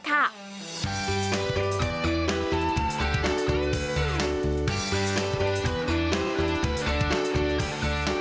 อคริฉ้า